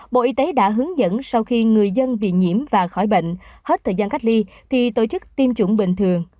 bộ y tế đã hướng dẫn sau khi người dân bị nhiễm và khỏi bệnh hết thời gian cách ly thì tổ chức tiêm chủng bình thường